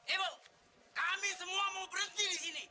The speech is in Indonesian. ibu kami semua mau berhenti di sini